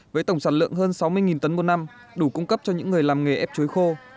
với tổng sản lượng hơn sáu mươi tấn một năm đủ cung cấp cho những người làm nghề ép chuối khô